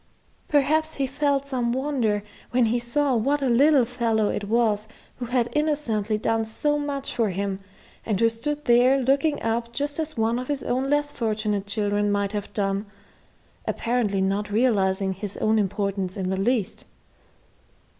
Perhaps he felt some wonder when he saw what a little fellow it was who had innocently done so much for him, and who stood there looking up just as one of his own less fortunate children might have done apparently not realizing his own importance in the least.